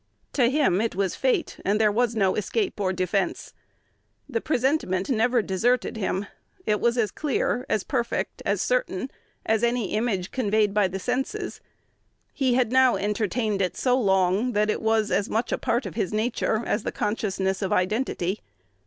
To him it was fate, and there was no escape or defence. The presentiment never deserted him: it was as clear, as perfect, as certain, as any image conveyed by the senses. He had now entertained it so long, that it was as much a part of his nature as the consciousness of identity.